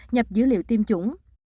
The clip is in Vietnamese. nhập dữ liệu tiêm chủng